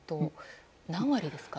何割ですか？